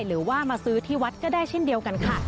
หรือว่ามาซื้อที่วัดก็ได้เช่นเดียวกันค่ะ